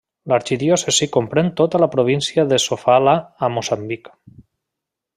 L'arxidiòcesi comprèn tota la província de Sofala a Moçambic.